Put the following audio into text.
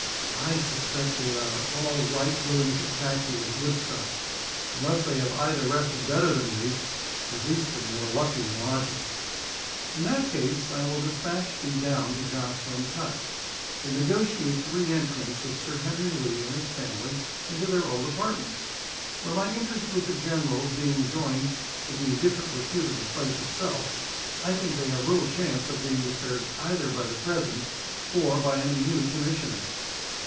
I suspect they are all right willing to evacuate Woodstock, unless they have either rested better than we, or at least been more lucky in lodgings." "In that case, I will dispatch thee down to Joceline's hut, to negotiate the re entrance of Sir Henry Lee and his family into their old apartments, where, my interest with the General being joined with the indifferent repute of the place itself, I think they have little chance of being disturbed either by the present, or by any new Commissioners."